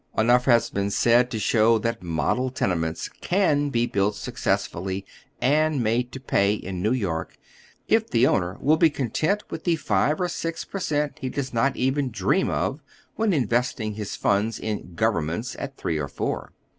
Enough has been said to show that model tenements can be built Buccessfully and made to pay in New York, if the owner will be content with the five or six per cent. he does not even dream of when investing his funds in " governments " at three or four.